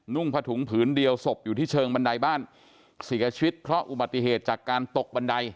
่งผถุงผืนเดียวศพอยู่ที่เชิงบันไดบ้านเสียชีวิตเพราะอุบัติเหตุจากการตกบันได